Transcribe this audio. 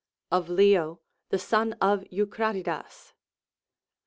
Of Leo the Son of Eucratidas.